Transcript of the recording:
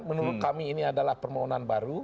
menurut kami ini adalah permohonan baru